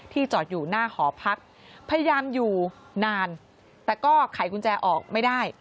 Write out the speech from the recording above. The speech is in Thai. จอดอยู่หน้าหอพักพยายามอยู่นานแต่ก็ไขกุญแจออกไม่ได้